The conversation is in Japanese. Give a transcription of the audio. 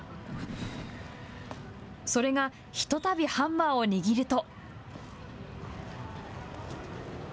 それがひとたびハンマーを握ると。